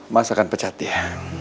mas akan pecat dia